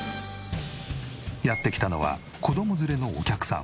やって来たのは子ども連れのお客さん。